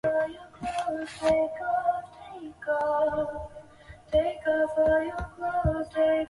史力柏因语调怪异和常劈啪地晌自己手指而著名。